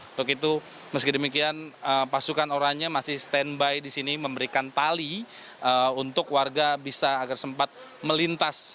untuk itu meski demikian pasukan orangnya masih standby di sini memberikan tali untuk warga bisa agar sempat melintas